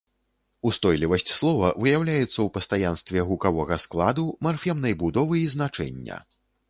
Устойлівасць слова выяўляецца ў пастаянстве гукавога складу, марфемнай будовы і значэння.